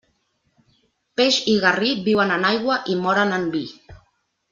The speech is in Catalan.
Peix i garrí viuen en aigua i moren en vi.